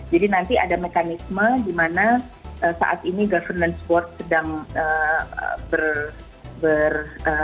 jadi nanti ada mekanisme di mana saat ini governance board sedang berkumpul